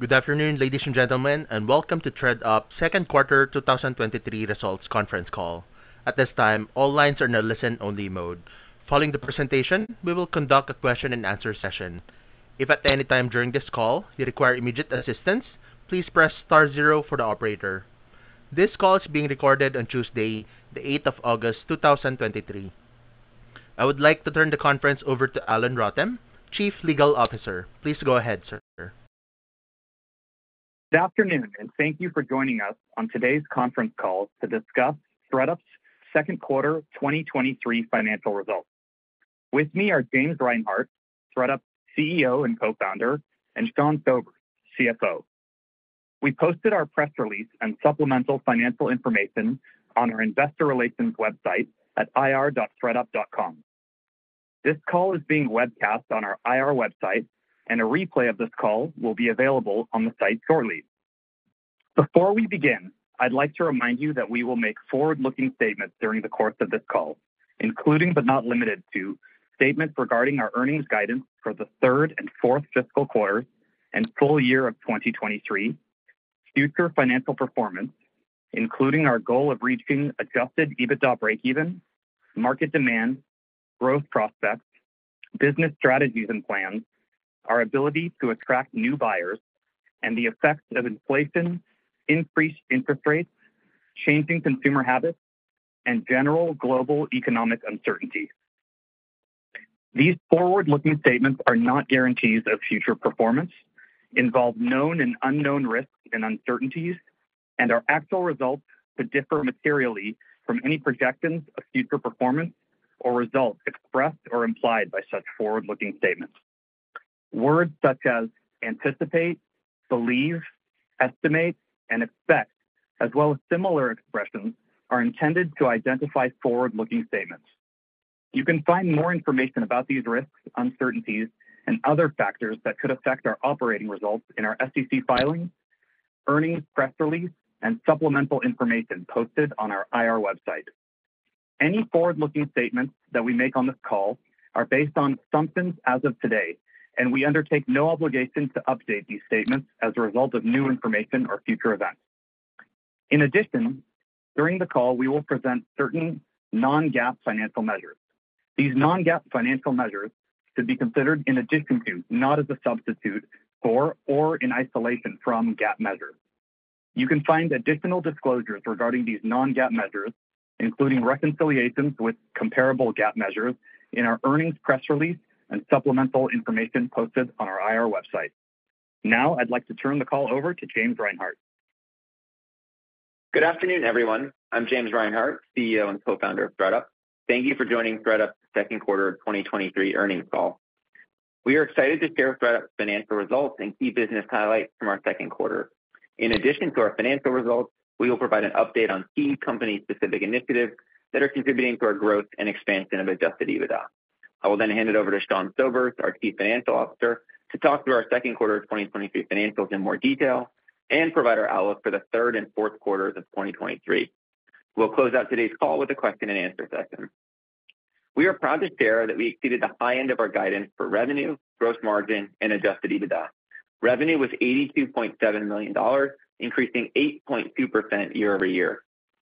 Good afternoon, ladies and gentlemen, and welcome to ThredUp second quarter 2023 results conference call. At this time, all lines are in a listen-only mode. Following the presentation, we will conduct a question and answer session. If at any time during this call you require immediate assistance, please press star zero for the operator. This call is being recorded on Tuesday, the eighth of August, 2023. I would like to turn the conference over to Alon Rotem, Chief Legal Officer. Please go ahead, sir. Good afternoon, and thank you for joining us on today's conference call to discuss ThredUp's second quarter 2023 financial results. With me are James Reinhart, ThredUp CEO and Co-founder, and Sean Sobers, CFO. We posted our press release and supplemental financial information on our investor relations website at ir.thredup.com. This call is being webcast on our IR website, and a replay of this call will be available on the site shortly. Before we begin, I'd like to remind you that we will make forward-looking statements during the course of this call, including but not limited to, statements regarding our earnings guidance for the third and fourth fiscal quarters and full year of 2023, future financial performance, including our goal of reaching adjusted EBITDA breakeven, market demand, growth prospects, business strategies and plans, our ability to attract new buyers, and the effects of inflation, increased interest rates, changing consumer habits, and general global economic uncertainty. These forward-looking statements are not guarantees of future performance, involve known and unknown risks and uncertainties, and our actual results could differ materially from any projections of future performance or results expressed or implied by such forward-looking statements. Words such as "anticipate," "believe," "estimate," and "expect," as well as similar expressions, are intended to identify forward-looking statements. You can find more information about these risks, uncertainties, and other factors that could affect our operating results in our SEC filings, earnings press release, and supplemental information posted on our IR website. We undertake no obligation to update these statements as a result of new information or future events. In addition, during the call, we will present certain non-GAAP financial measures. These non-GAAP financial measures should be considered in addition to, not as a substitute for, or in isolation from, GAAP measures. You can find additional disclosures regarding these non-GAAP measures, including reconciliations with comparable GAAP measures, in our earnings press release and supplemental information posted on our IR website. Now, I'd like to turn the call over to James Reinhart. Good afternoon, everyone. I'm James Reinhart, Chief Executive Officer and Co-founder of ThredUp. Thank you for joining ThredUp's second quarter of 2023 earnings call. We are excited to share ThredUp's financial results and key business highlights from our second quarter. In addition to our financial results, we will provide an update on key company-specific initiatives that are contributing to our growth and expansion of adjusted EBITDA. I will then hand it over to Sean Sobers, our Chief Financial Officer, to talk through our second quarter of 2023 financials in more detail and provide our outlook for the third and fourth quarters of 2023. We'll close out today's call with a question and answer session. We are proud to share that we exceeded the high end of our guidance for revenue, gross margin, and adjusted EBITDA. Revenue was $82.7 million, increasing 8.2% year-over-year.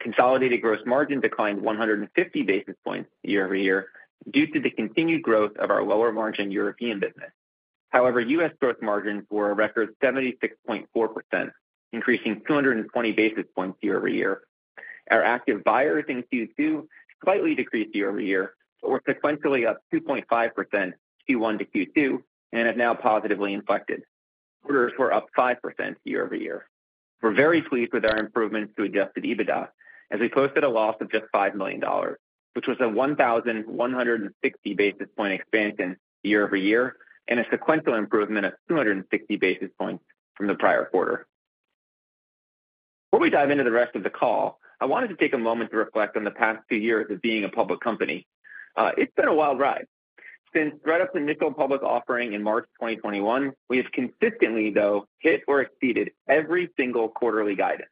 Consolidated gross margin declined 150 basis points year-over-year due to the continued growth of our lower-margin European business. U.S. gross margins were a record 76.4%, increasing 220 basis points year-over-year. Our active buyers in Q2 slightly decreased year-over-year, but were sequentially up 2.5% Q1 to Q2 and have now positively inflected. Orders were up 5% year-over-year. We're very pleased with our improvements to adjusted EBITDA, as we posted a loss of just $5 million, which was a 1,160 basis point expansion year-over-year, and a sequential improvement of 260 basis points from the prior quarter. Before we dive into the rest of the call, I wanted to take a moment to reflect on the past 2 years of being a public company. It's been a wild ride. Since ThredUp's initial public offering in March 2021, we have consistently, though, hit or exceeded every single quarterly guidance.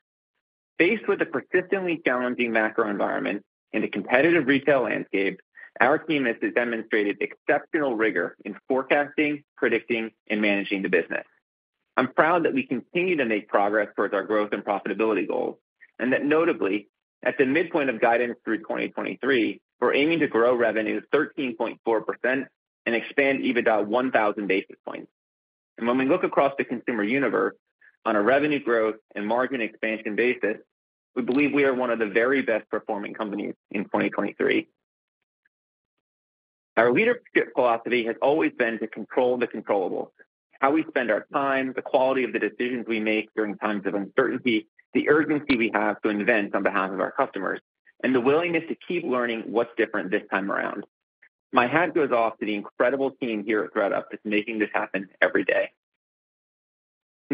Faced with a persistently challenging macro environment and a competitive retail landscape, our team has demonstrated exceptional rigor in forecasting, predicting, and managing the business. I'm proud that we continue to make progress towards our growth and profitability goals, and that notably, at the midpoint of guidance through 2023, we're aiming to grow revenue 13.4% and expand EBITDA 1,000 basis points. When we look across the consumer universe on a revenue growth and margin expansion basis, we believe we are one of the very best performing companies in 2023. Our leadership philosophy has always been to control the controllable: how we spend our time, the quality of the decisions we make during times of uncertainty, the urgency we have to innovate on behalf of our customers, and the willingness to keep learning what's different this time around. My hat goes off to the incredible team here at ThredUp that's making this happen every day.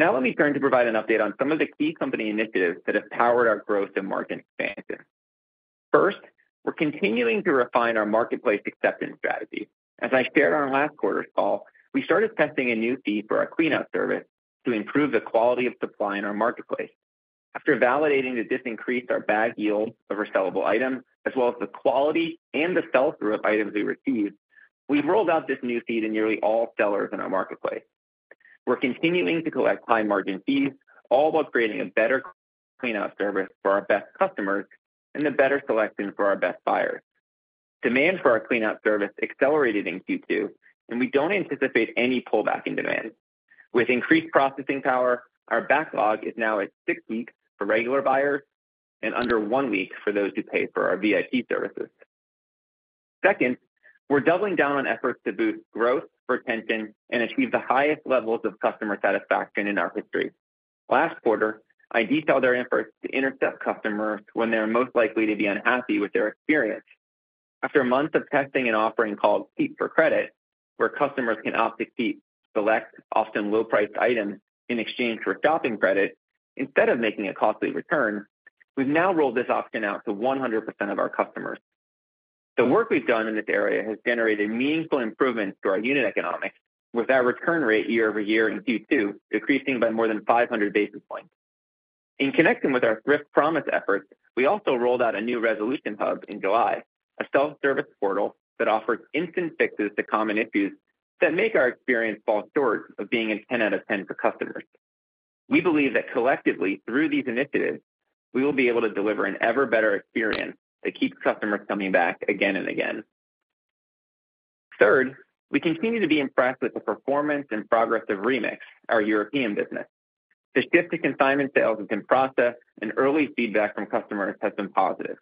Let me turn to provide an update on some of the key company initiatives that have powered our growth and market expansion. First, we're continuing to refine our marketplace acceptance strategy. As I shared on last quarter's call, we started testing a new fee for our cleanout service to improve the quality of supply in our marketplace.... After validating that this increased our bag yield of resellable items, as well as the quality and the sell-through of items we received, we've rolled out this new feed to nearly all sellers in our marketplace. We're continuing to collect high margin fees, all while creating a better cleanout service for our best customers and a better selection for our best buyers. Demand for our cleanout service accelerated in Q2, and we don't anticipate any pullback in demand. With increased processing power, our backlog is now at 6 weeks for regular buyers and under 1 week for those who pay for our VIP Services. Second, we're doubling down on efforts to boost growth, retention, and achieve the highest levels of customer satisfaction in our history. Last quarter, I detailed our efforts to intercept customers when they are most likely to be unhappy with their experience. After months of testing an offering called Keep for Credit, where customers can opt to keep select, often low-priced items in exchange for shopping credit instead of making a costly return, we've now rolled this option out to 100% of our customers. The work we've done in this area has generated meaningful improvements to our unit economics, with our return rate year-over-year in Q2 decreasing by more than 500 basis points. In connecting with our Thrift Promise efforts, we also rolled out a new resolution hub in July, a self-service portal that offers instant fixes to common issues that make our experience fall short of being a 10 out of 10 for customers. We believe that collectively, through these initiatives, we will be able to deliver an ever better experience that keeps customers coming back again and again. Third, we continue to be impressed with the performance and progress of Remix, our European business. The shift to consignment sales has been processed, and early feedback from customers has been positive.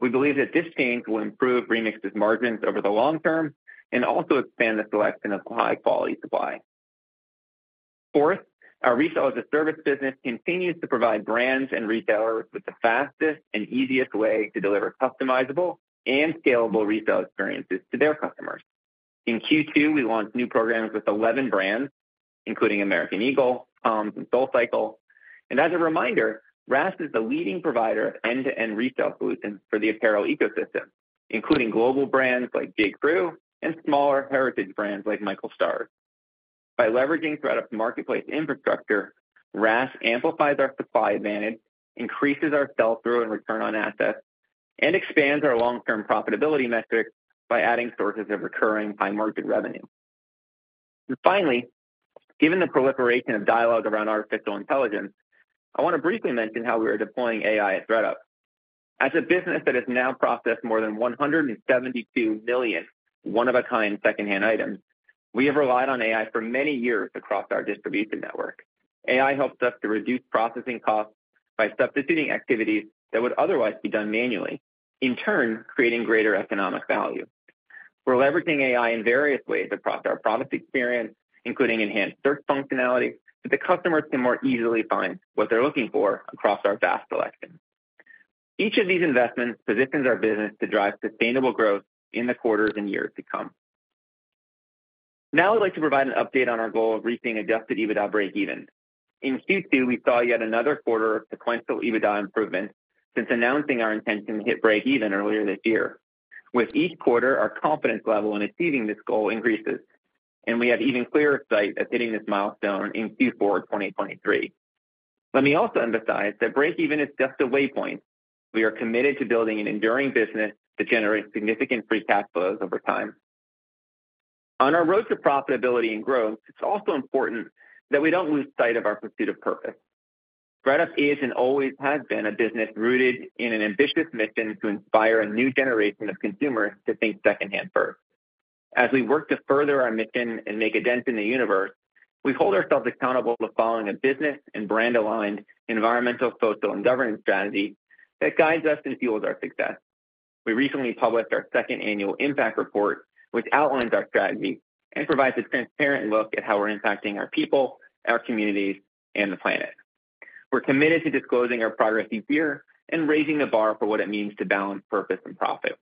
We believe that this change will improve Remix's margins over the long term and also expand the selection of high-quality supply. Fourth, our Resale-as-a-Service business continues to provide brands and retailers with the fastest and easiest way to deliver customizable and scalable resale experiences to their customers. In Q2, we launched new programs with 11 brands, including American Eagle, Palm, and SoulCycle. As a reminder, RaaS is the leading provider of end-to-end resale solutions for the apparel ecosystem, including global brands like J.Crew and smaller heritage brands like Michael Stars. By leveraging ThredUp's marketplace infrastructure, RaaS amplifies our supply advantage, increases our sell-through and return on assets, and expands our long-term profitability metrics by adding sources of recurring high-margin revenue. Finally, given the proliferation of dialogue around artificial intelligence, I want to briefly mention how we are deploying AI at ThredUp. As a business that has now processed more than 172 million one-of-a-kind secondhand items, we have relied on AI for many years across our distribution network. AI helps us to reduce processing costs by substituting activities that would otherwise be done manually, in turn, creating greater economic value. We're leveraging AI in various ways across our product experience, including enhanced search functionality, so the customers can more easily find what they're looking for across our vast selection. Each of these investments positions our business to drive sustainable growth in the quarters and years to come. I'd like to provide an update on our goal of reaching adjusted EBITDA breakeven. In Q2, we saw yet another quarter of sequential EBITDA improvement since announcing our intention to hit breakeven earlier this year. With each quarter, our confidence level in achieving this goal increases, and we have even clearer sight of hitting this milestone in Q4 of 2023. Let me also emphasize that breakeven is just a waypoint. We are committed to building an enduring business that generates significant free cash flows over time. On our road to profitability and growth, it's also important that we don't lose sight of our pursuit of purpose. ThredUp is, and always has been, a business rooted in an ambitious mission to inspire a new generation of consumers to think secondhand first. As we work to further our mission and make a dent in the universe, we hold ourselves accountable to following a business and brand-aligned environmental, social, and governance strategy that guides us and fuels our success. We recently published our second annual impact report, which outlines our strategy and provides a transparent look at how we're impacting our people, our communities, and the planet. We're committed to disclosing our progress each year and raising the bar for what it means to balance purpose and profit.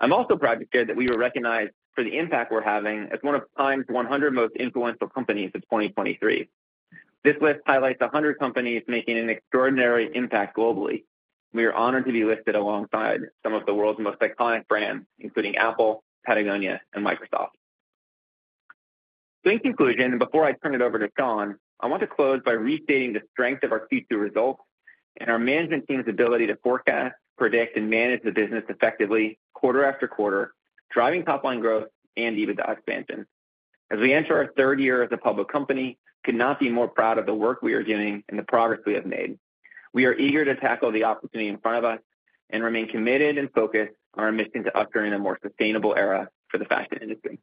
I'm also proud to share that we were recognized for the impact we're having as one of TIME's 100 most influential companies of 2023. This list highlights 100 companies making an extraordinary impact globally. We are honored to be listed alongside some of the world's most iconic brands, including Apple, Patagonia, and Microsoft. In conclusion, before I turn it over to Sean, I want to close by restating the strength of our Q2 results and our management team's ability to forecast, predict, and manage the business effectively quarter after quarter, driving top-line growth and EBITDA expansion. As we enter our third year as a public company, could not be more proud of the work we are doing and the progress we have made. We are eager to tackle the opportunity in front of us and remain committed and focused on our mission to usher in a more sustainable era for the fashion industry.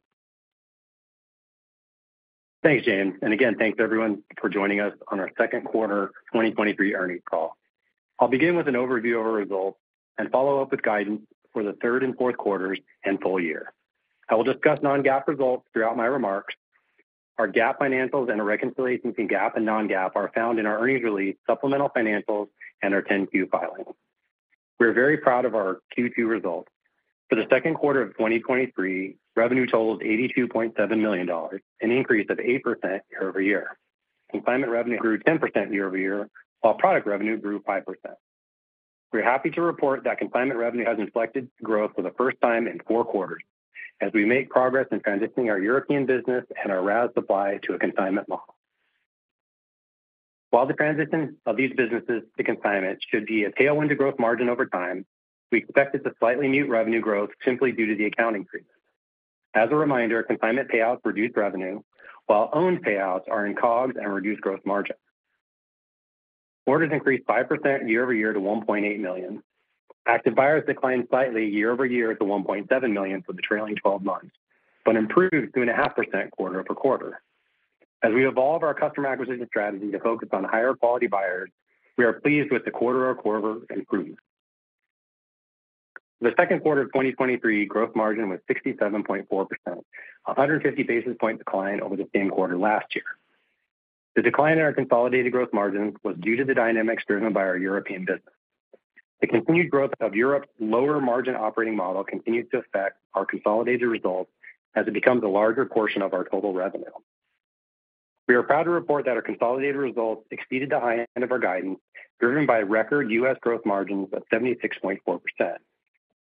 Thanks, James, and again, thanks everyone for joining us on our second quarter 2023 earnings call. I'll begin with an overview of our results and follow up with guidance for the third and fourth quarters and full year. I will discuss non-GAAP results throughout my remarks. Our GAAP financials and a reconciliation to GAAP and non-GAAP are found in our earnings release, supplemental financials, and our 10-Q filing. We're very proud of our Q2 results. For the second quarter of 2023, revenue totaled $82.7 million, an increase of 8% year-over-year. Consignment revenue grew 10% year-over-year, while product revenue grew 5%.... We're happy to report that consignment revenue has reflected growth for the first time in 4 quarters, as we make progress in transitioning our European business and our route supply to a consignment model. While the transition of these businesses to consignment should be a tailwind to growth margin over time, we expect it to slightly mute revenue growth simply due to the accounting treatment. As a reminder, consignment payouts reduce revenue, while owned payouts are in COGS and reduce growth margin. Orders increased 5% year-over-year to 1.8 million. Active buyers declined slightly year-over-year to 1.7 million for the trailing 12 months, but improved 2.5% quarter-over-quarter. As we evolve our customer acquisition strategy to focus on higher quality buyers, we are pleased with the quarter-over-quarter improvement. The second quarter of 2023, growth margin was 67.4%, 150 basis point decline over the same quarter last year. The decline in our consolidated growth margins was due to the dynamics driven by our European business. The continued growth of Europe's lower margin operating model continues to affect our consolidated results as it becomes a larger portion of our total revenue. We are proud to report that our consolidated results exceeded the high end of our guidance, driven by record U.S. growth margins of 76.4%.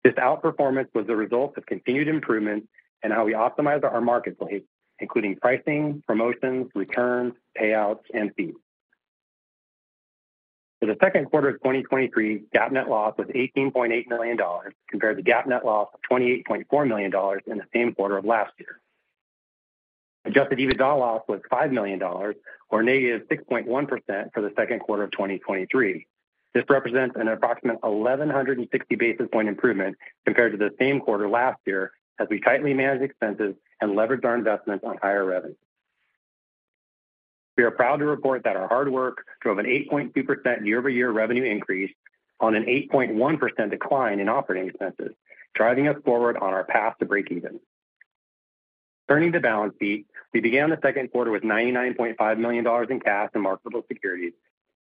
This outperformance was the result of continued improvement in how we optimize our marketplace, including pricing, promotions, returns, payouts, and fees. For the second quarter of 2023, GAAP net loss was $18.8 million, compared to GAAP net loss of $28.4 million in the same quarter of last year. Adjusted EBITDA loss was $5 million, or -6.1% for the second quarter of 2023. This represents an approximate 1,160 basis point improvement compared to the same quarter last year, as we tightly managed expenses and leveraged our investments on higher revenue. We are proud to report that our hard work drove an 8.2% year-over-year revenue increase on an 8.1% decline in operating expenses, driving us forward on our path to breakeven. Turning to balance sheet, we began the second quarter with $99.5 million in cash and marketable securities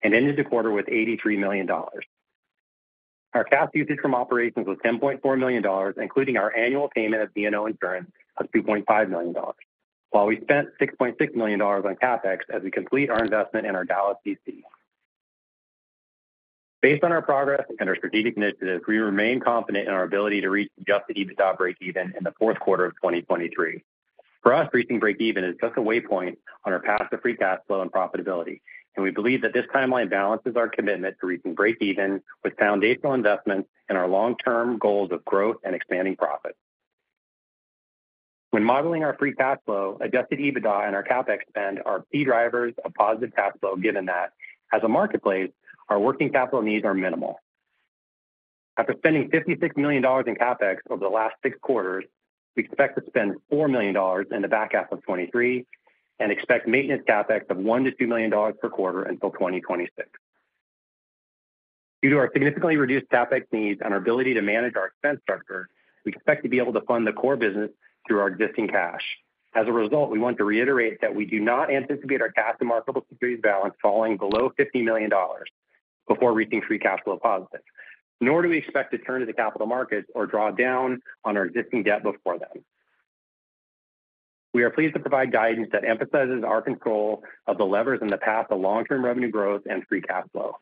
and ended the quarter with $83 million. Our cash usage from operations was $10.4 million, including our annual payment of D&O insurance of $2.5 million, while we spent $6.6 million on CapEx as we complete our investment in our Dallas DC. Based on our progress and our strategic initiatives, we remain confident in our ability to reach adjusted EBITDA breakeven in the fourth quarter of 2023. For us, reaching breakeven is just a waypoint on our path to free cash flow and profitability, and we believe that this timeline balances our commitment to reaching breakeven with foundational investments and our long-term goals of growth and expanding profits. When modeling our free cash flow, adjusted EBITDA and our CapEx spend are key drivers of positive cash flow, given that as a marketplace, our working capital needs are minimal. After spending $56 million in CapEx over the last 6 quarters, we expect to spend $4 million in the back half of 2023 and expect maintenance CapEx of $1 million-$2 million per quarter until 2026. Due to our significantly reduced CapEx needs and our ability to manage our expense structure, we expect to be able to fund the core business through our existing cash. As a result, we want to reiterate that we do not anticipate our cash and marketable securities balance falling below $50 million before reaching free cash flow positive, nor do we expect to turn to the capital markets or draw down on our existing debt before then. We are pleased to provide guidance that emphasizes our control of the levers in the path to long-term revenue growth and free cash flow.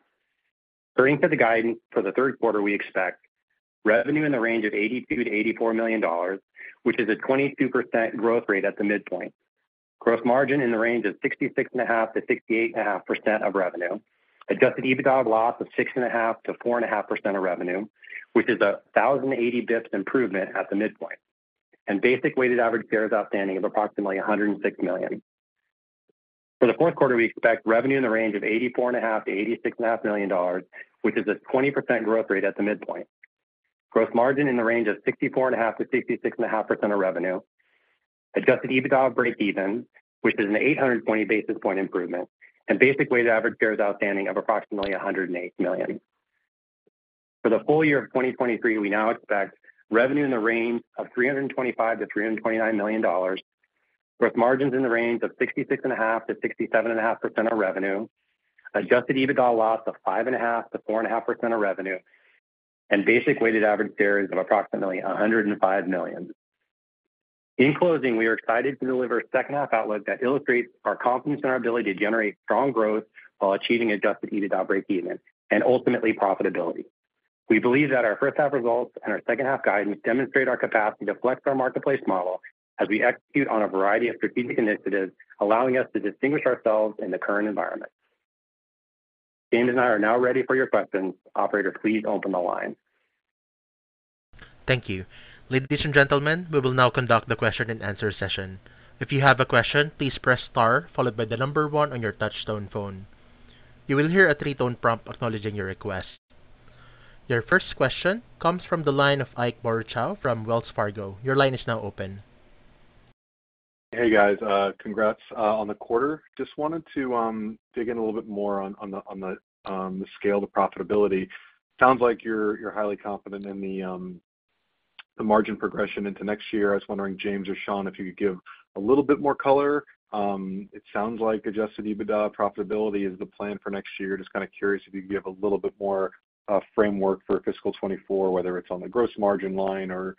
Turning to the guidance for the third quarter, we expect revenue in the range of $82 million-$84 million, which is a 22% growth rate at the midpoint. Gross margin in the range of 66.5%-68.5% of revenue. Adjusted EBITDA loss of 6.5%-4.5% of revenue, which is a 1,080 basis points improvement at the midpoint. Basic weighted average shares outstanding of approximately 106 million. For the fourth quarter, we expect revenue in the range of $84.5 million-$86.5 million, which is a 20% growth rate at the midpoint. Gross margin in the range of 64.5%-66.5% of revenue. Adjusted EBITDA breakeven, which is an 820 basis point improvement and basic weighted average shares outstanding of approximately 108 million. For the full year of 2023, we now expect revenue in the range of $325 million-$329 million, with margins in the range of 66.5%-67.5% of revenue, adjusted EBITDA loss of 5.5%-4.5% of revenue, and basic weighted average shares of approximately 105 million. In closing, we are excited to deliver a second half outlook that illustrates our confidence in our ability to generate strong growth while achieving adjusted EBITDA breakeven and ultimately profitability. We believe that our first half results and our second half guidance demonstrate our capacity to flex our marketplace model as we execute on a variety of strategic initiatives, allowing us to distinguish ourselves in the current environment. James and I are now ready for your questions. Operator, please open the line. Thank you. Ladies and gentlemen, we will now conduct the question and answer session. If you have a question, please press star followed by 1 on your touchtone phone. You will hear a 3-tone prompt acknowledging your request. Your first question comes from the line of Ike Boruchow from Wells Fargo. Your line is now open. Hey, guys. Congrats on the quarter. Just wanted to dig in a little bit more on the scale, the profitability. Sounds like you're highly confident in the margin progression into next year. I was wondering, James or Sean, if you could give a little bit more color. It sounds like adjusted EBITDA profitability is the plan for next year. Just kind of curious if you could give a little bit more framework for fiscal 2024, whether it's on the gross margin line or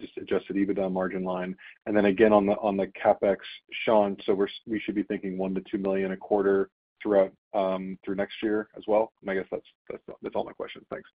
just adjusted EBITDA margin line. Then again, on the CapEx, Sean, so we should be thinking $1 million-$2 million a quarter throughout through next year as well? I guess that's all my questions. Thanks....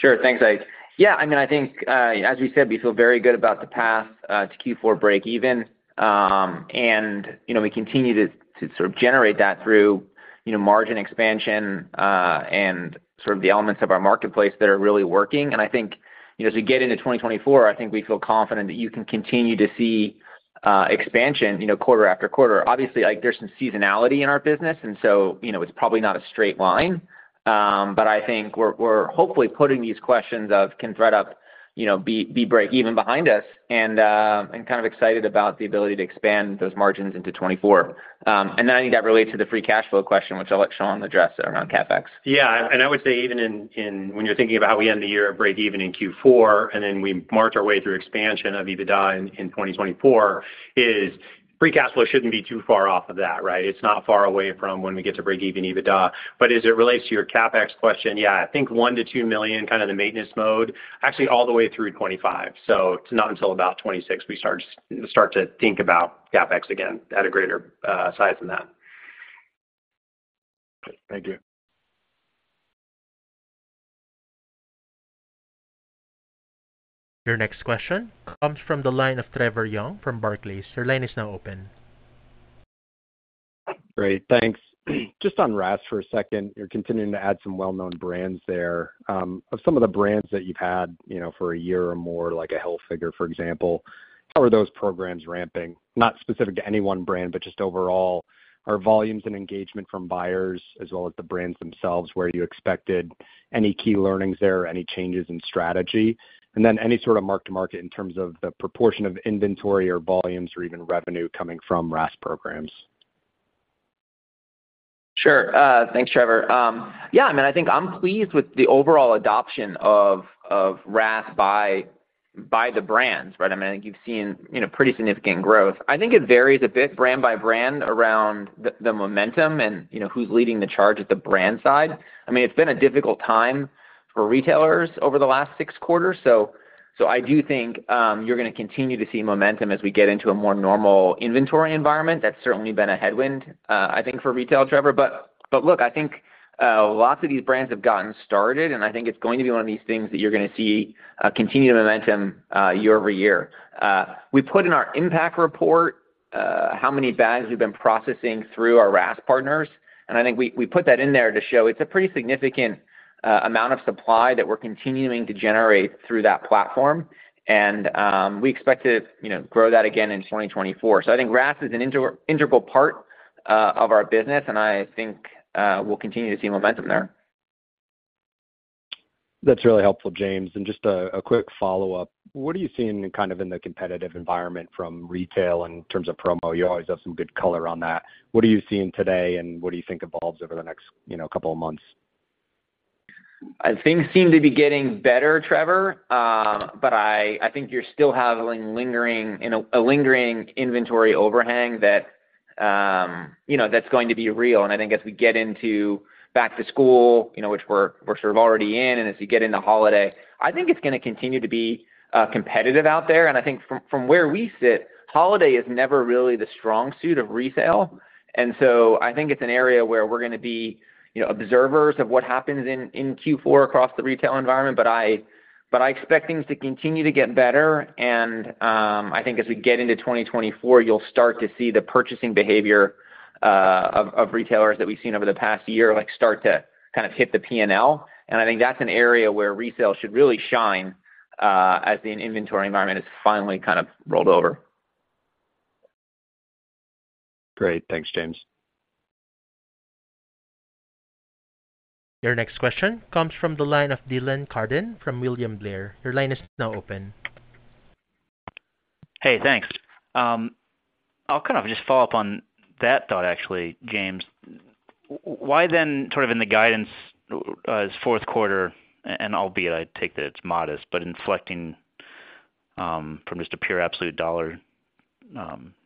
Sure. Thanks, Ike. Yeah, I mean, I think, as we said, we feel very good about the path to Q4 break even. You know, we continue to, to sort of generate that through, you know, margin expansion, and sort of the elements of our marketplace that are really working. I think, you know, as we get into 2024, I think we feel confident that you can continue to see expansion, you know, quarter after quarter. Obviously, like, there's some seasonality in our business, and so, you know, it's probably not a straight line. I think we're, we're hopefully putting these questions of, can ThredUp, you know, be, be break even behind us, and kind of excited about the ability to expand those margins into 2024. I think that relates to the free cash flow question, which I'll let Sean address around CapEx. Yeah, I would say even when you're thinking about how we end the year at breakeven in Q4, we march our way through expansion of EBITDA in 2024, is free cash flow shouldn't be too far off of that, right? It's not far away from when we get to breakeven EBITDA. As it relates to your CapEx question, yeah, I think $1 million-$2 million, kind of the maintenance mode, actually all the way through 2025. It's not until about 2026, we start to think about CapEx again at a greater size than that. Thank you. Your next question comes from the line of Trevor Young from Barclays. Your line is now open. Great. Thanks. Just on RaaS for a second, you're continuing to add some well-known brands there. Of some of the brands that you've had, you know, for a year or more, like a Health Figure, for example, how are those programs ramping? Not specific to any one brand, but just overall, are volumes and engagement from buyers as well as the brands themselves, where you expected any key learnings there, any changes in strategy? Then any sort of mark to market in terms of the proportion of inventory or volumes or even revenue coming from RaaS programs. Sure. thanks, Trevor. Yeah, I mean, I think I'm pleased with the overall adoption of RaaS by the brands, right? I mean, I think you've seen, you know, pretty significant growth. I think it varies a bit brand by brand around the momentum and, you know, who's leading the charge at the brand side. I mean, it's been a difficult time for retailers over the last 6 quarters, so, so I do think you're gonna continue to see momentum as we get into a more normal inventory environment. That's certainly been a headwind, I think, for retail, Trevor. look, I think lots of these brands have gotten started, and I think it's going to be one of these things that you're gonna see continued momentum year-over-year. We put in our impact report, how many bags we've been processing through our RaaS partners, and I think we, we put that in there to show it's a pretty significant amount of supply that we're continuing to generate through that platform. We expect to, you know, grow that again in 2024. I think RaaS is an integral part of our business, and I think we'll continue to see momentum there. That's really helpful, James. Just a, a quick follow-up: What are you seeing kind of in the competitive environment from retail in terms of promo? You always have some good color on that. What are you seeing today, and what do you think evolves over the next, you know, couple of months? Things seem to be getting better, Trevor, I, I think you're still having lingering, you know, a lingering inventory overhang that, you know, that's going to be real. I think as we get into back to school, you know, which we're, we're sort of already in, and as we get into holiday, I think it's gonna continue to be competitive out there. I think from, from where we sit, holiday is never really the strong suit of resale. I think it's an area where we're gonna be, you know, observers of what happens in, in Q4 across the retail environment. I expect things to continue to get better, and I think as we get into 2024, you'll start to see the purchasing behavior of retailers that we've seen over the past year, like, start to kind of hit the PNL. I think that's an area where resale should really shine as the inventory environment is finally kind of rolled over. Great. Thanks, James. Your next question comes from the line of Dylan Carden from William Blair. Your line is now open. Hey, thanks. I'll kind of just follow up on that thought, actually, James. Why then, sort of in the guidance, as fourth quarter, and albeit I take that it's modest, but inflecting, from just a pure absolute dollar,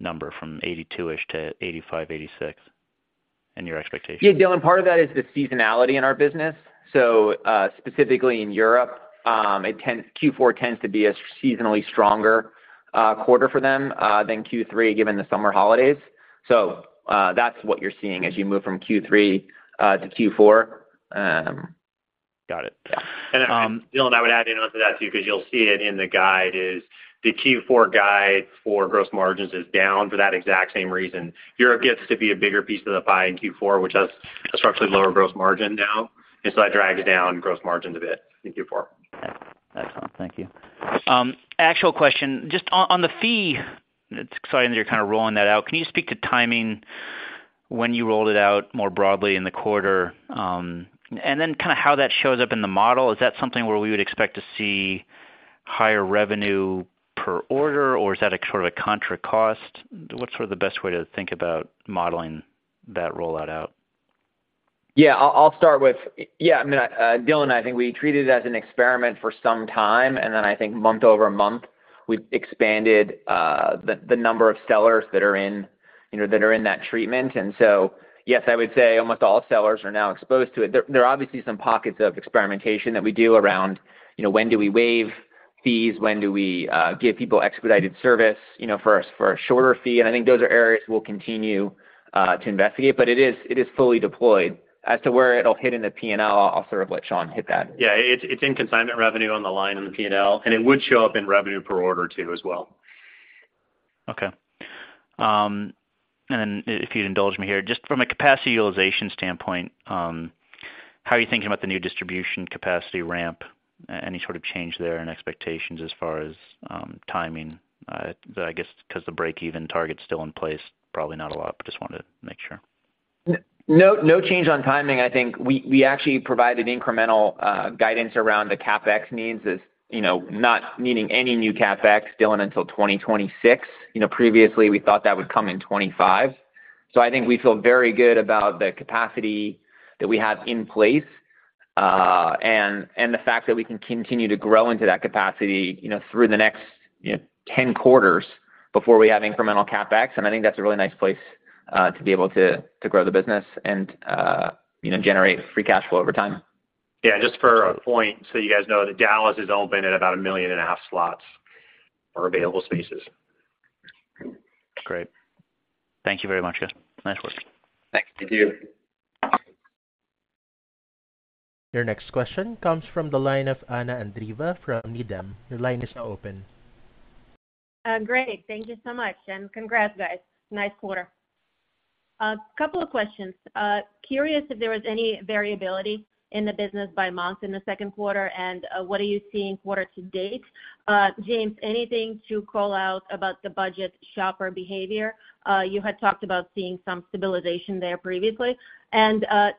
number from $82ish to $85-$86 in your expectation? Yeah, Dylan, part of that is the seasonality in our business. Specifically in Europe, Q4 tends to be a seasonally stronger quarter for them than Q3, given the summer holidays. That's what you're seeing as you move from Q3 to Q4. Got it. Yeah. Dylan, I would add into that, too, because you'll see it in the guide, is the Q4 guide for gross margins is down for that exact same reason. Europe gets to be a bigger piece of the pie in Q4, which has a structurally lower gross margin now, and so that drags down gross margins a bit in Q4. Excellent. Thank you. Actual question, just on, on the fee, it's exciting that you're kind of rolling that out. Can you speak to timing when you rolled it out more broadly in the quarter? Kind of how that shows up in the model. Is that something where we would expect to see higher revenue per order, or is that a sort of a contra cost? What's sort of the best way to think about modeling that rollout out? Yeah, I'll, I'll start with... Yeah, I mean, Dylan, I think we treated it as an experiment for some time, and then I think month-over-month, we expanded the, the number of sellers that are in, you know, that are in that treatment. Yes, I would say almost all sellers are now exposed to it. There, there are obviously some pockets of experimentation that we do around, you know, when do we waive?... fees, when do we give people expedited service, you know, for a, for a shorter fee? I think those are areas we'll continue to investigate, but it is, it is fully deployed. As to where it'll hit in the P&L, I'll sort of let Sean hit that. Yeah, it's, it's in consignment revenue on the line in the P&L, and it would show up in revenue per order, too, as well. Okay. If you'd indulge me here, just from a capacity utilization standpoint, how are you thinking about the new distribution capacity ramp? Any sort of change there in expectations as far as timing? I guess because the break-even target is still in place, probably not a lot, but just wanted to make sure. No, no change on timing. I think we, we actually provided incremental guidance around the CapEx needs is, you know, not needing any new CapEx still until 2026. You know, previously, we thought that would come in 2025. I think we feel very good about the capacity that we have in place, and, and the fact that we can continue to grow into that capacity, you know, through the next, you know, 10 quarters before we have incremental CapEx. I think that's a really nice place to be able to, to grow the business and, you know, generate free cash flow over time. Yeah, just for a point, so you guys know, the Dallas is open at about 1.5 million slots or available spaces. Great. Thank you very much. Nice work. Thank you. Thank you. Your next question comes from the line of Anna Andreeva from Needham. Your line is now open. Great. Thank you so much, and congrats, guys. Nice quarter. A couple of questions. Curious if there was any variability in the business by month in the second quarter, and what are you seeing quarter to date? James, anything to call out about the budget shopper behavior? You had talked about seeing some stabilization there previously. To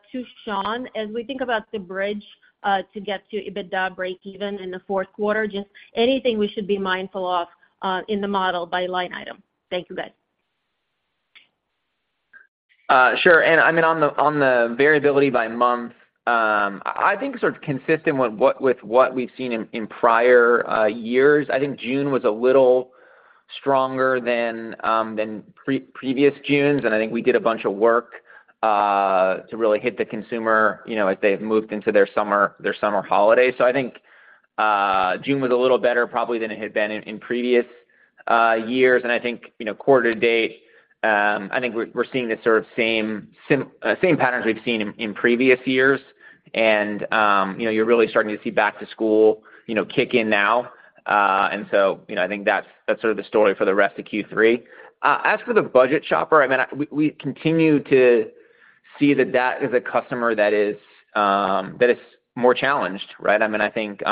Sean, as we think about the bridge, to get to EBITDA break even in the fourth quarter, just anything we should be mindful of, in the model by line item? Thank you, guys. Sure. I mean, on the, on the variability by month, I think sort of consistent with what, with what we've seen in, in prior years. I think June was a little stronger than pre-previous Junes, and I think we did a bunch of work to really hit the consumer, you know, as they moved into their summer, their summer holiday. I think June was a little better probably than it had been in previous years. I think, you know, quarter to date, I think we're, we're seeing the sort of same patterns we've seen in previous years. You know, you're really starting to see back to school, you know, kick in now. So, you know, I think that's, that's sort of the story for the rest of Q3. As for the budget shopper, I mean, we, we continue to see that that is a customer that is, that is more challenged, right? I mean, I think,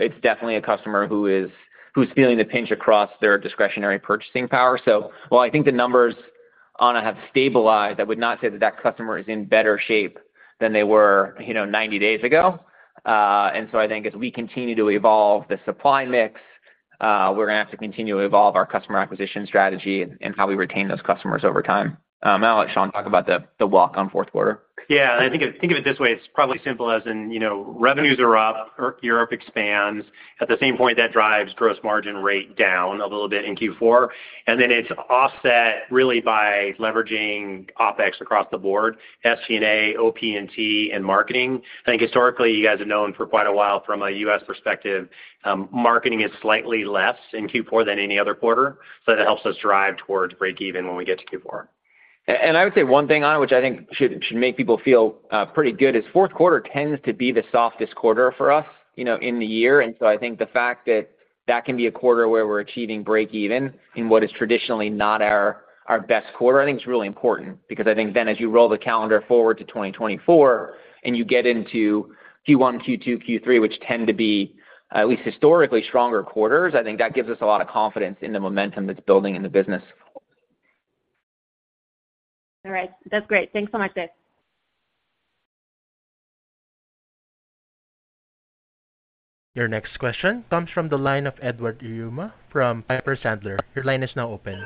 it's definitely a customer who is, who's feeling the pinch across their discretionary purchasing power. While I think the numbers on it have stabilized, I would not say that customer is in better shape than they were, you know, 90 days ago. I think as we continue to evolve the supply mix, we're going to have to continue to evolve our customer acquisition strategy and, and how we retain those customers over time. I'll let Sean talk about the, the walk on fourth quarter. Yeah, I think of, think of it this way: it's probably simple as in, you know, revenues are up, Europe expands. At the same point, that drives gross margin rate down a little bit in Q4, and then it's offset really by leveraging OpEx across the board, SG&A, OP&T, and marketing. I think historically, you guys have known for quite a while from a U.S. perspective, marketing is slightly less in Q4 than any other quarter, so that helps us drive towards break even when we get to Q4. I would say one thing on it, which I think should, should make people feel, pretty good, is fourth quarter tends to be the softest quarter for us, you know, in the year. I think the fact that that can be a quarter where we're achieving break even in what is traditionally not our, our best quarter, I think is really important. I think then as you roll the calendar forward to 2024, and you get into Q1, Q2, Q3, which tend to be, at least historically, stronger quarters, I think that gives us a lot of confidence in the momentum that's building in the business. All right. That's great. Thanks so much, guys. Your next question comes from the line of Edward Yruma from Piper Sandler. Your line is now open.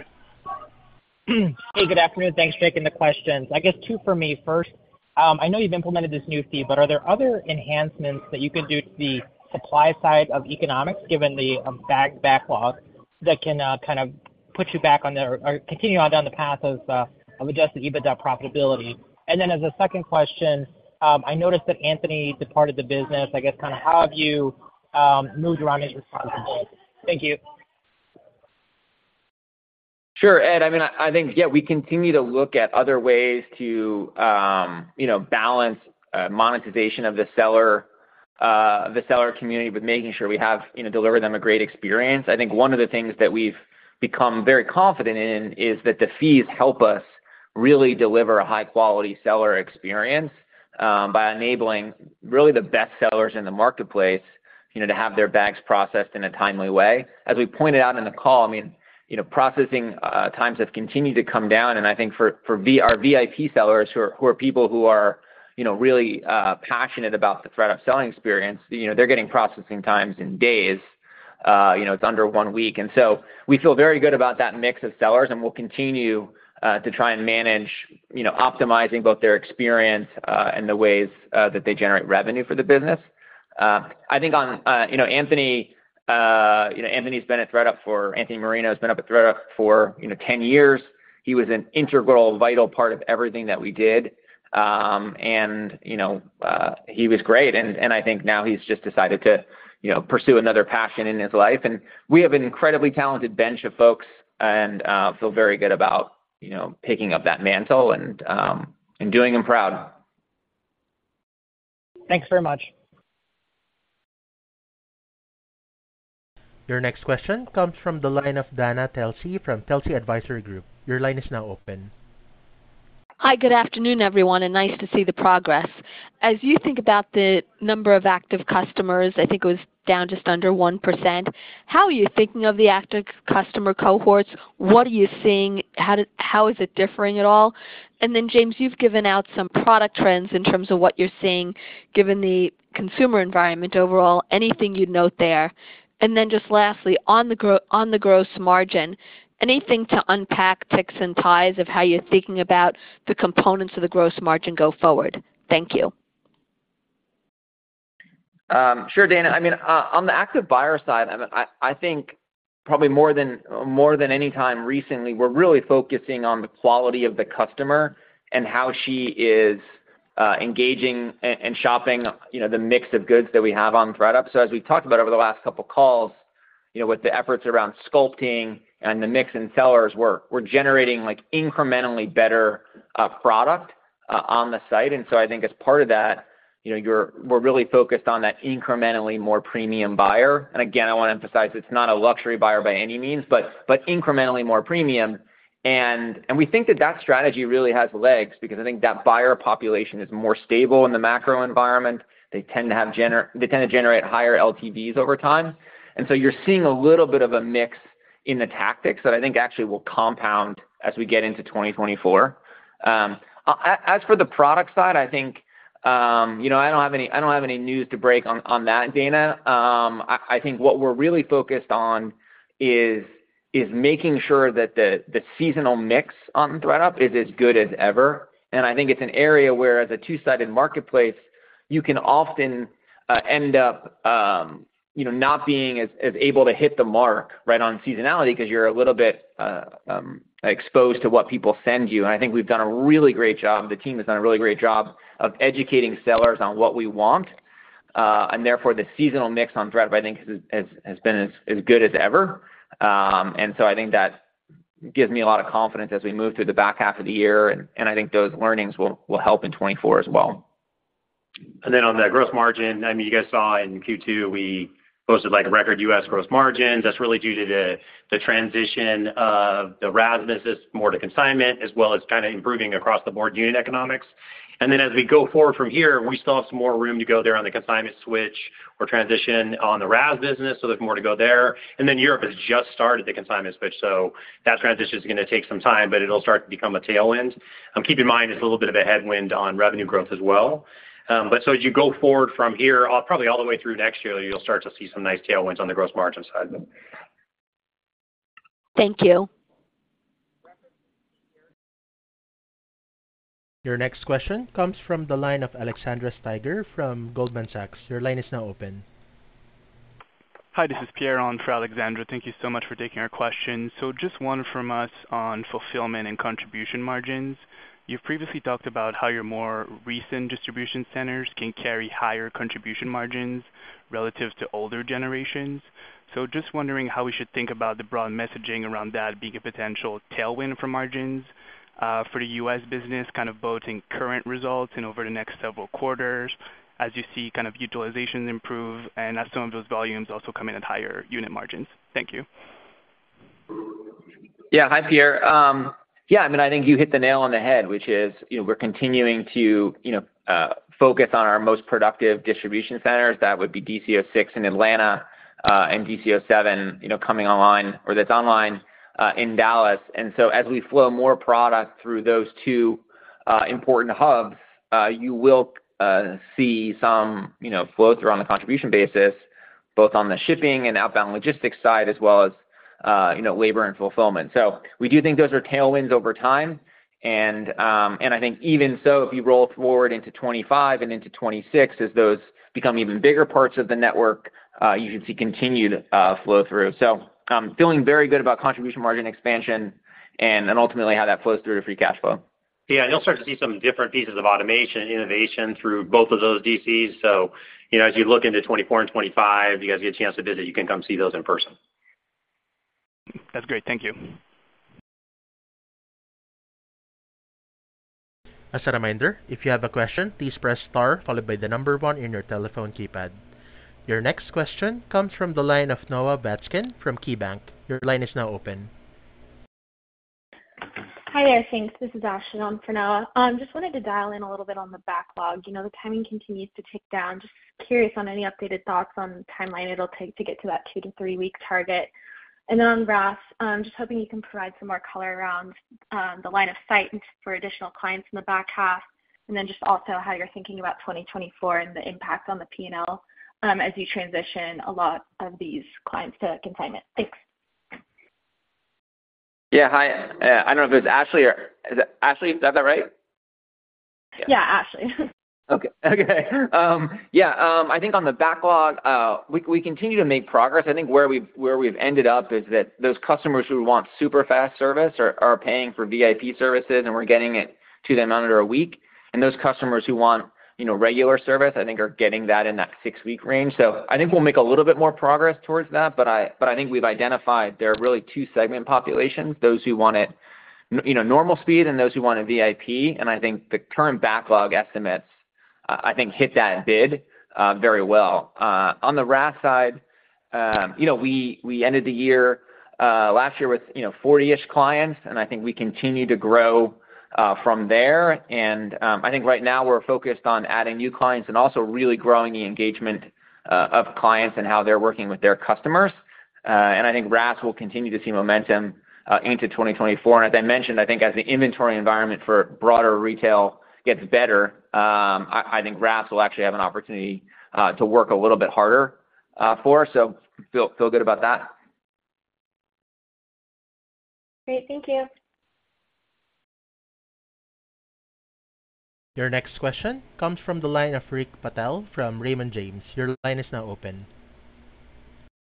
Hey, good afternoon. Thanks for taking the questions. I guess 2 for me. First, I know you've implemented this new fee, are there other enhancements that you can do to the supply side of economics, given the bag backlog, that can kind of put you back on the, or continue on down the path of adjusted EBITDA profitability? As a 2nd question, I noticed that Anthony departed the business. I guess, kind of how have you moved around his responsibilities? Thank you. Sure, Ed. I mean, I think, yeah, we continue to look at other ways to, you know, balance monetization of the seller, the seller community, but making sure we have, you know, deliver them a great experience. I think one of the things that we've become very confident in is that the fees help us really deliver a high-quality seller experience, by enabling really the best sellers in the marketplace, you know, to have their bags processed in a timely way. As we pointed out in the call, I mean, you know, processing times have continued to come down, and I think for our VIP sellers, who are, who are people who are, you know, really passionate about the ThredUp selling experience, you know, they're getting processing times in days, you know, it's under 1 week. So we feel very good about that mix of sellers, we'll continue, to try and manage, you know, optimizing both their experience, and the ways, that they generate revenue for the business. I think on, you know, Anthony Marino's been up at ThredUp for, you know, 10 years. He was an integral, vital part of everything that we did. You know, he was great, and, I think now he's just decided to, you know, pursue another passion in his life. We have an incredibly talented bench of folks and, feel very good about, you know, picking up that mantle and, doing him proud. Thanks very much. Your next question comes from the line of Dana Telsey from Telsey Advisory Group. Your line is now open. Hi. Good afternoon, everyone, nice to see the progress. As you think about the number of active customers, I think it was down just under 1%, how are you thinking of the active customer cohorts? What are you seeing? How is it differing at all? James, you've given out some product trends in terms of what you're seeing, given the consumer environment overall, anything you'd note there? Just lastly, on the gross margin, anything to unpack ticks and ties of how you're thinking about the components of the gross margin go forward? Thank you. Sure, Dana. I mean, on the active buyer side, I think probably more than, more than any time recently, we're really focusing on the quality of the customer and how she is engaging and shopping, you know, the mix of goods that we have on ThredUp. As we talked about over the last couple of calls, you know, with the efforts around sculpting and the mix in sellers, we're generating like incrementally better product on the site. I think as part of that, you know, we're really focused on that incrementally more premium buyer. Again, I want to emphasize, it's not a luxury buyer by any means, but incrementally more premium. We think that that strategy really has legs because I think that buyer population is more stable in the macro environment. They tend to have they tend to generate higher LTVs over time. So you're seeing a little bit of a mix in the tactics that I think actually will compound as we get into 2024. As for the product side, I think, you know, I don't have any, I don't have any news to break on, on that, Dana. I, I think what we're really focused on is, is making sure that the, the seasonal mix on ThredUp is as good as ever, and I think it's an area where, as a two-sided marketplace, you can often end up, you know, not being as, as able to hit the mark, right, on seasonality because you're a little bit exposed to what people send you. I think we've done a really great job. The team has done a really great job of educating sellers on what we want, and therefore, the seasonal mix on ThredUp, I think, has, has, has been as, as good as ever. So I think that gives me a lot of confidence as we move through the back half of the year, and, and I think those learnings will, will help in 2024 as well. On the gross margin, I mean, you guys saw in Q2, we posted, like, a record U.S. gross margin. That's really due to the transition of the RaaS business more to consignment, as well as kind of improving across the board unit economics. As we go forward from here, we still have some more room to go there on the consignment switch or transition on the RaaS business, so there's more to go there. Europe has just started the consignment switch, so that transition is going to take some time, but it'll start to become a tailwind. Keep in mind, it's a little bit of a headwind on revenue growth as well. As you go forward from here, probably all the way through next year, you'll start to see some nice tailwinds on the gross margin side. Thank you. Your next question comes from the line of Alexandra Steiger from Goldman Sachs. Your line is now open. Hi, this is Pierre on for Alexandra. Thank you so much for taking our question. Just one from us on fulfillment and contribution margins. You've previously talked about how your more recent distribution centers can carry higher contribution margins relative to older generations. Just wondering how we should think about the broad messaging around that being a potential tailwind for margins for the U.S. business, kind of both in current results and over the next several quarters, as you see kind of utilization improve and as some of those volumes also come in at higher unit margins. Thank you. Yeah. Hi, Pierre. Yeah, I mean, I think you hit the nail on the head, which is, you know, we're continuing to, you know, focus on our most productive distribution centers. That would be DC06 in Atlanta, and DC07, you know, coming online or that's online, in Dallas. As we flow more product through those two important hubs, you will see some, you know, flow through on the contribution basis, both on the shipping and outbound logistics side, as well as, you know, labor and fulfillment. We do think those are tailwinds over time. I think even so, if you roll forward into 2025 and into 2026, as those become even bigger parts of the network, you should see continued flow through. I'm feeling very good about contribution margin expansion and ultimately how that flows through to free cash flow. Yeah, you'll start to see some different pieces of automation, innovation through both of those DCs. You know, as you look into 2024 and 2025, you guys get a chance to visit, you can come see those in person. That's great. Thank you. As a reminder, if you have a question, please press Star, followed by the number 1 in your telephone keypad. Your next question comes from the line of Noah Zatzkin from KeyBanc. Your line is now open. Hi there. Thanks. This is Ashley on for Noah. Just wanted to dial in a little bit on the backlog. You know, the timing continues to tick down. Just curious on any updated thoughts on the timeline it'll take to get to that 2-3 week target. On RaaS, just hoping you can provide some more color around the line of sight for additional clients in the back half. Just also how you're thinking about 2024 and the impact on the P&L, as you transition a lot of these clients to consignment. Thanks. Yeah, hi, I don't know if it's Ashley or is it Ashley, is that, that right? Yeah, Ashley. Okay. Okay. Yeah, I think on the backlog, we, we continue to make progress. I think where we've, where we've ended up is that those customers who want super fast service are, are paying for VIP services, and we're getting it to them under a week. Those customers who want, you know, regular service, I think, are getting that in that six-week range. I think we'll make a little bit more progress towards that, but I, but I think we've identified there are really two segment populations: those who want it, you know, normal speed and those who want it VIP. I think the current backlog estimates, I think, hit that bid, very well. On the RaaS side, you know, we, we ended the year, last year with, you know, 40-ish clients. I think we continue to grow from there. I think right now we're focused on adding new clients and also really growing the engagement of clients and how they're working with their customers. I think RaaS will continue to see momentum into 2024. As I mentioned, I think as the inventory environment for broader retail gets better, I, I think RaaS will actually have an opportunity to work a little bit harder for us, so feel, feel good about that. Great. Thank you. Your next question comes from the line of Rick Patel from Raymond James. Your line is now open.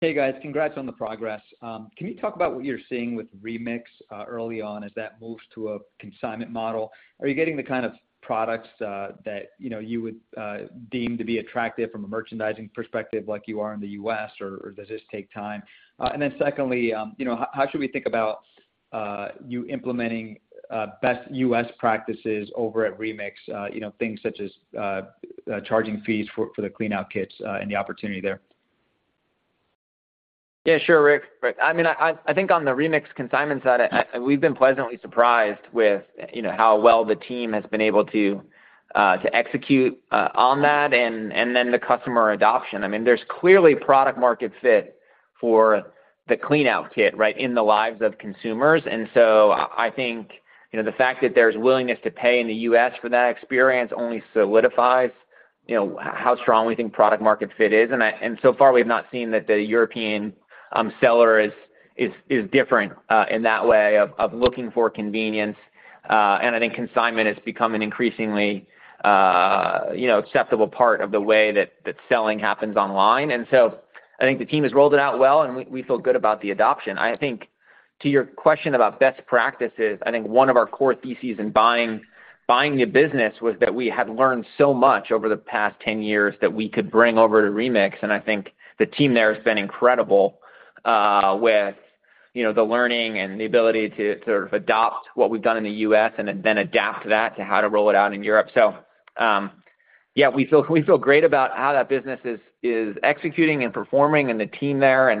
Hey, guys. Congrats on the progress. Can you talk about what you're seeing with Remix, early on as that moves to a consignment model? Are you getting the kind of products that, you know, you would deem to be attractive from a merchandising perspective like you are in the U.S., or does this take time? Then secondly, you know, how should we think about you implementing best U.S. practices over at Remix, you know, things such as charging fees for the cleanout kits, and the opportunity there? Yeah, sure, Rick. Rick, I mean, I, I, I think on the Remix consignment side, I, we've been pleasantly surprised with, you know, how well the team has been able to execute on that, and then the customer adoption. I mean, there's clearly product market fit for the cleanout kit, right, in the lives of consumers. So I, I think, you know, the fact that there's willingness to pay in the U.S. for that experience only solidifies, you know, how strong we think product market fit is. So far, we've not seen that the European seller is, is, is different in that way of, of looking for convenience. I think consignment is becoming an increasingly, you know, acceptable part of the way that, that selling happens online. I think the team has rolled it out well, and we, we feel good about the adoption. I think, to your question about best practices, I think one of our core theses in buying, buying the business was that we had learned so much over the past 10 years that we could bring over to Remix, and I think the team there has been incredible, with, you know, the learning and the ability to sort of adopt what we've done in the U.S. and then adapt that to how to roll it out in Europe. Yeah, we feel, we feel great about how that business is, is executing and performing and the team there.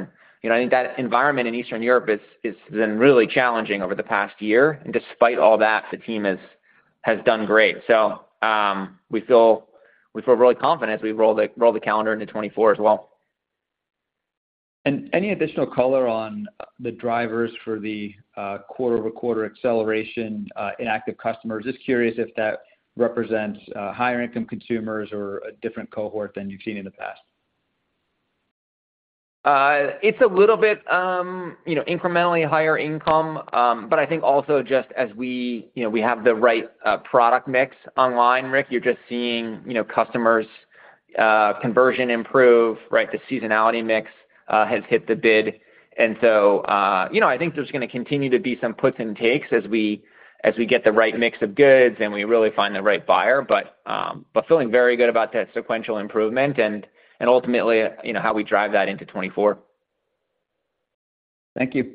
You know, I think that environment in Eastern Europe is, is been really challenging over the past year. Despite all that, the team has, has done great. We feel, we feel really confident as we roll the, roll the calendar into 2024 as well. Any additional color on the drivers for the quarter-over-quarter acceleration in active customers? Just curious if that represents higher income consumers or a different cohort than you've seen in the past. It's a little bit, you know, incrementally higher income, but I think also just as we, you know, we have the right product mix online, Rick, you're just seeing, you know, customers conversion improve, right? The seasonality mix has hit the bid. You know, I think there's gonna continue to be some puts and takes as we, as we get the right mix of goods, and we really find the right buyer. But feeling very good about that sequential improvement and, and ultimately, you know, how we drive that into 2024. Thank you.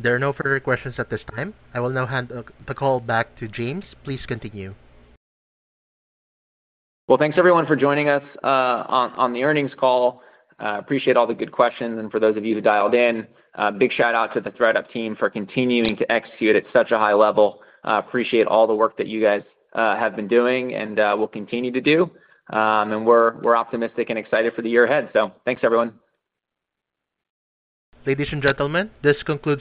There are no further questions at this time. I will now hand the call back to James. Please continue. Well, thanks, everyone, for joining us on, on the earnings call. Appreciate all the good questions. For those of you who dialed in, a big shout-out to the ThredUp team for continuing to execute at such a high level. Appreciate all the work that you guys have been doing and will continue to do. We're, we're optimistic and excited for the year ahead. Thanks, everyone. Ladies and gentlemen, this concludes-